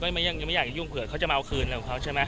เราก็ยังไม่อยากยุ่งเผื่อเขาจะมาเอาคืนเรากับเขาใช่ไหม